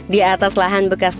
di atas lahan bekas